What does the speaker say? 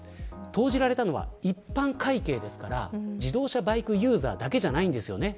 投じられたのは一般会計ですから自動車、バイクユーザーだけでないんですよね。